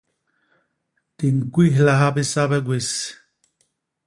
Di ñkwihlaha bisabe gwés.